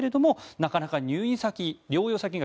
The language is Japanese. なかなか入院先、療養先が